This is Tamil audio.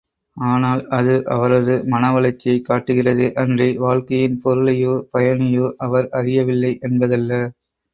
ஆனால், அது அவரது மன வளர்ச்சியைக் காட்டுகிறதே அன்றி வாழ்க்கையின் பொருளையோ, பயனையோ அவர் அறியவில்லை என்பதல்ல.